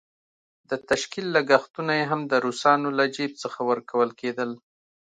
د تشکيل لګښتونه یې هم د روسانو له جېب څخه ورکول کېدل.